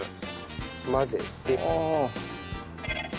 混ぜて。